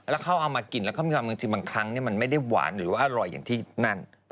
แล้วเขาเอามากินแล้วก็มีความบางทีบางครั้งมันไม่ได้หวานหรือว่าอร่อยอย่างที่นั่น